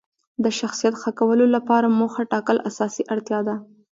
د شخصیت ښه کولو لپاره موخه ټاکل اساسي اړتیا ده.